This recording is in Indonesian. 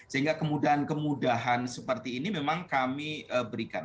sehingga kemudahan kemudahan seperti ini memang kami berikan